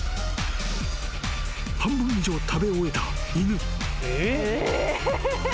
［半分以上食べ終えた犬］